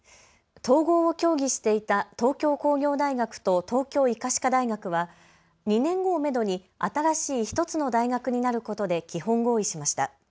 統合を協議していた東京工業大学と東京医科歯科大学は２年後をめどに新しい１つの大学になることで基本合意しました。